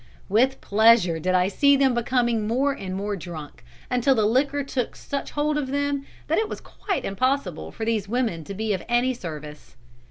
"'With pleasure did I see them becoming more and more drunk, until the liquor took such hold of them that it was quite impossible for these women to be of any service.